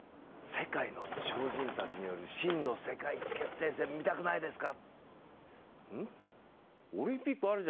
世界の超人たちによる真の世界一決定戦見たくないですか？